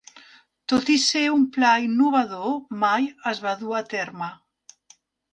Tot i ser un pla innovador, mai es va dur a terme.